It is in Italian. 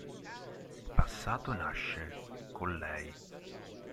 Il passato nasce con lei".